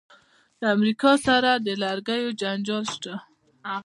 د امریکا سره د لرګیو جنجال شته.